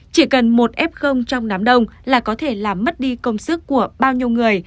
chỉ cần một f trong đám đông là có thể làm mất đi công sức của bao nhiêu người